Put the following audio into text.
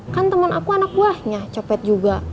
kan teman aku anak buahnya copet juga